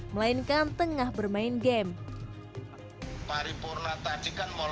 melainkan tengah bermain game